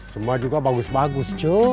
semua juga bagus bagus